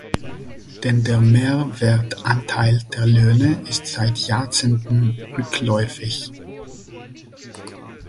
Denn der Mehrwertanteil der Löhne ist seit Jahrzehnten rückläufig.